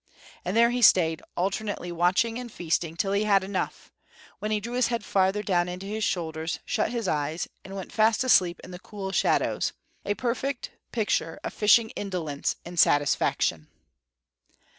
And there he stayed, alternately watching and feasting, till he had enough; when he drew his head farther down into his shoulders, shut his eyes, and went fast asleep in the cool shadows, a perfect picture of fishing indolence and satisfaction.